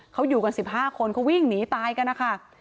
เขาอยู่กัน๑๕คนเขาวิ่งหนีตายกันนะคะ